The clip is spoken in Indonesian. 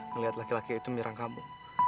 ngelihat laki laki itu menyerang kamu